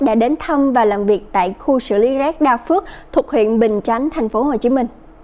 đã đến thăm và làm việc tại khu xử lý rác đa phước thuộc huyện bình chánh tp hcm